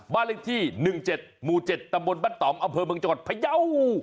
บ้านเลขที่๑๗หมู่๗ตำบลบ้านต่อมอำเภอเมืองจังหวัดพยาว